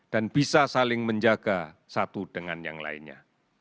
dan bisa saling menjaga satu dengan yang lainnya